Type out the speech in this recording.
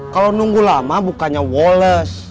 kalau nunggu lama bukannya walless